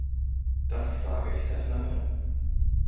Das sage ich seit langem.